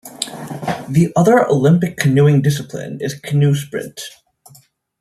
The other Olympic canoeing discipline is canoe sprint.